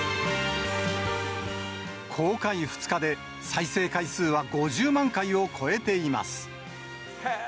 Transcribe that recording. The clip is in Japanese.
公開２日で再生回数は５０万回を超えています。